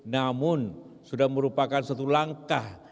namun sudah merupakan suatu langkah